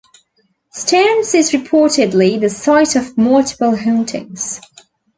Stone's is reportedly the site of multiple hauntings.